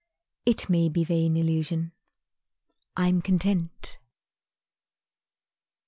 It may be vain illusion. I'm content.